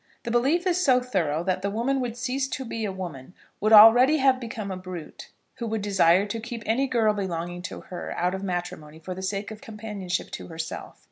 The belief is so thorough that the woman would cease to be a woman, would already have become a brute, who would desire to keep any girl belonging to her out of matrimony for the sake of companionship to herself.